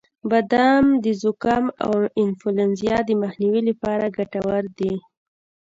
• بادام د زکام او انفلونزا د مخنیوي لپاره ګټور دی.